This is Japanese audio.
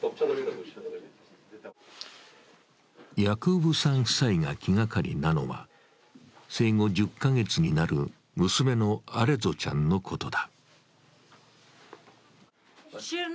ヤクーブさん夫妻が気がかりなのは、生後１０カ月になる娘のアレゾちゃんのことだ。